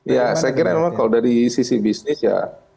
ya saya kira memang kalau dari sisi bisnis ya